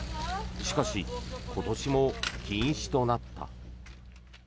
しかし今年も禁止となった。